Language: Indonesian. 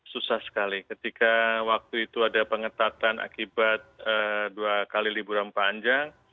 susah sekali ketika waktu itu ada pengetatan akibat dua kali liburan panjang